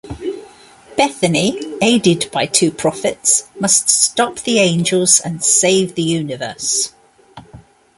Bethany, aided by two prophets, must stop the angels and save the universe.